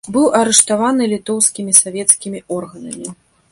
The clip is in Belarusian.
Быў арыштаваны літоўскімі савецкімі органамі.